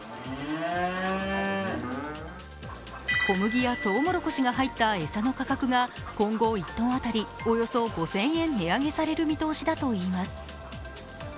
小麦やとうもろこしが入った餌の価格が今後、１ｔ当たりおよそ５０００円値上げされる見通しだといいます。